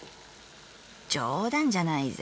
『冗談じゃないぜ。